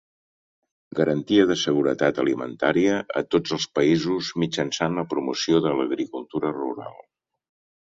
Garantia de seguretat alimentària a tots els països mitjançant la promoció de l'agricultura rural.